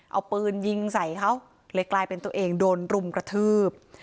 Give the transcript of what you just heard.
เอาปืนยิงใส่เขาเลยกลายเป็นตัวเองโดนรุมกระทืบ